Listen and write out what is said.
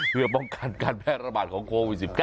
เพื่อป้องกันการแพร่ระบาดของโควิด๑๙